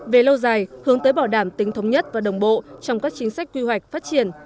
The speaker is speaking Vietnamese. về lâu dài hướng tới bảo đảm tính thống nhất và đồng bộ trong các chính sách quy hoạch phát triển